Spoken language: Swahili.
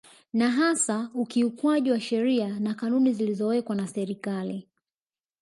Na hasa ukiukwaji wa sheria na kanuni zilizowekwa na Serikali